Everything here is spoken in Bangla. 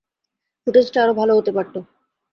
ফুটেজটা আরও ভালো হতে পারত।